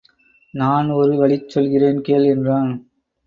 நான் ஒரு வழி சொல்கிறேன் கேள் என்றான்.